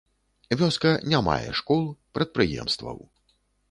Вёска не мае школ, прадпрыемстваў.